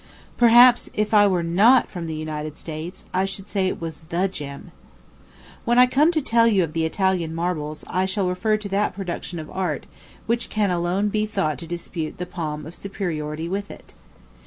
Perhaps, if I were not from the United States, I should say it was "the gem." When I come to tell you of the Italian marbles, I shall refer to that production of art which can alone be thought to dispute the palm of superiority with it.